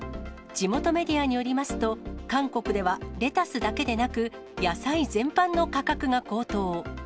地元メディアによりますと、韓国ではレタスだけでなく、野菜全般の価格が高騰。